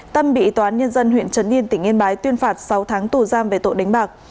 tâm bị tòa án nhân dân huyện trấn yên tỉnh yên bái tuyên phạt sáu tháng tù giam về tội đánh bạc